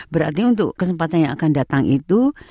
berarti untuk kesempatan yang akan datang itu